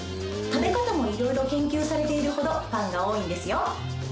食べ方も色々研究されているほどファンが多いんですよ。